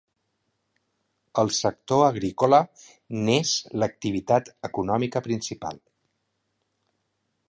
El sector agrícola n'és l'activitat econòmica principal.